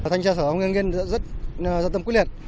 thanh tra xã hội nguyên nghiên rất rất tâm quyết liệt